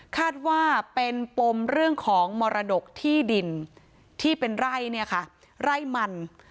คาดว่าเป็นปมเรื่องของมรดกที่ดินที่เป็นไร่เนี่ยค่ะไร่มัน